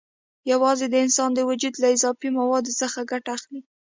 یوازې د انسان د وجود له اضافي موادو څخه ګټه اخلي.